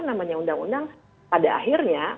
namanya undang undang pada akhirnya